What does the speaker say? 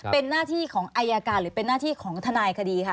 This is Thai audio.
เป็นหน้าที่ของอายการหรือเป็นหน้าที่ของทนายคดีคะ